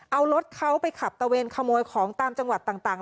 เอารถเขาไปขับตะเวนขโมยของตามจังหวัดต่าง